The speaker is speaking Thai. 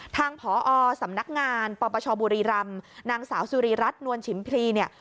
ทางพอสำนักงานปปชบุรีรัมน์นางสาวสุริรัตน์นวลชิมพี